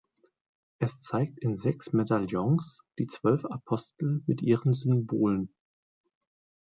Es zeigt in sechs Medaillons die zwölf Apostel mit ihren Symbolen.